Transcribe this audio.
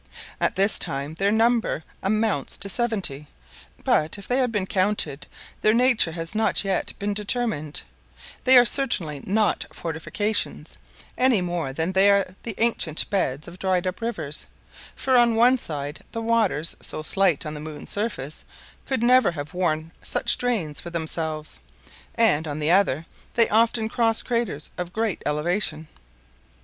At this time their number amounts to seventy; but, if they have been counted, their nature has not yet been determined; they are certainly not fortifications, any more than they are the ancient beds of dried up rivers; for, on one side, the waters, so slight on the moon's surface, could never have worn such drains for themselves; and, on the other, they often cross craters of great elevation.